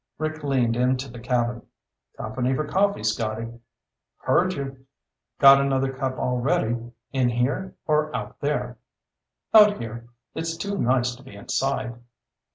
Rick leaned into the cabin. "Company for coffee, Scotty." "Heard you. Got another cup all ready. In here or out there?" "Out here. It's too nice to be inside."